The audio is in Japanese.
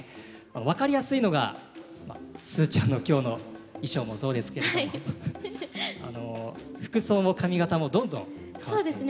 分かりやすいのがスーちゃんの今日の衣装もそうですけれども服装も髪形もどんどん変わっていくんですね。